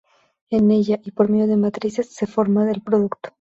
En ella, y por medio de matrices, se forma el producto.